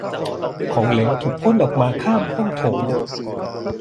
ของเหลวถูกพ่นออกมาข้ามห้องโถง